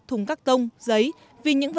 thùng cắt tông